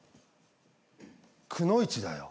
くノ一だよ。